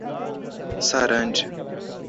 Sarandi